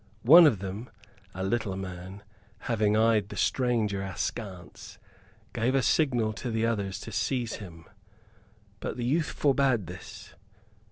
One of them, a little man, having eyed the stranger askance, gave a signal to the others to seize him; but the youth forbade this.